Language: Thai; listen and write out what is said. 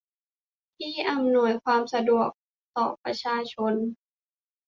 ที่อำนวยความสะดวกต่อประชาชน